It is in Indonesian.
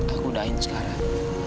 aku udahin sekarang